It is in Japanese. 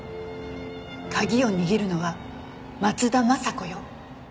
鍵を握るのは松田雅子よ。